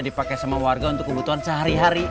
dipakai sama warga untuk kebutuhan sehari hari